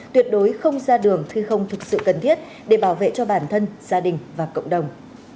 tuyệt đối không ra đường khi không thực sự cần thiết để bảo vệ cho bản thân gia đình và cộng đồng